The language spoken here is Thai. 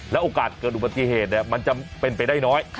โอกาสเกิดอุบัติเหตุมันจะเป็นไปได้น้อย